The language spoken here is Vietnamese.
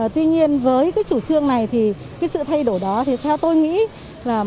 tuy nhiên với cái chủ trương này thì cái sự thay đổi đó thì theo tôi nghĩ là